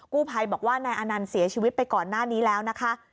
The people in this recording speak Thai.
ภัยบอกว่านายอนันต์เสียชีวิตไปก่อนหน้านี้แล้วนะคะ